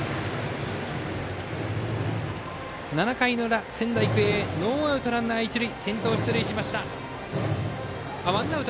７回裏、仙台育英ワンアウトランナー、一塁。